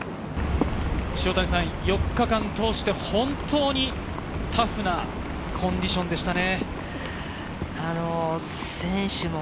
塩谷さん、４日間通して本当にタフなコンディションでしたね。